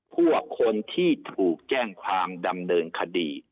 พวกคนที่ถูกแจ้งความดำเนินคดี